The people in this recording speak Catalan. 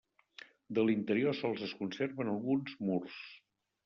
De l'interior sols es conserven alguns murs.